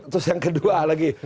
terus yang kedua lagi